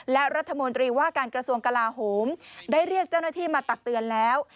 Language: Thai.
และรัฐมนตรีว่าการกระทรวงกลาโหมได้เรียกเจ้าหน้าที่มาตักเตือนแล้ว